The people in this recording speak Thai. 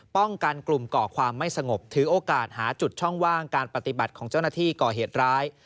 กลุ่มก่อความไม่สงบถือโอกาสหาจุดช่องว่างการปฏิบัติของเจ้าหน้าที่ก่อเหตุร้าย